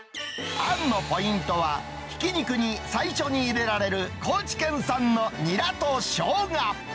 あんのポイントは、ひき肉に最初に入れられる高知県産のニラとショウガ。